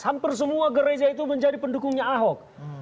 hampir semua gereja itu menjadi pendukungnya ahok